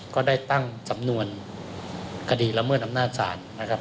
ก็ได้ตั้งสำนวนคดีละเมิดอำนาจศาลนะครับ